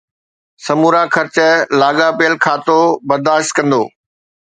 سمورا خرچ لاڳاپيل کاتو برداشت ڪندو.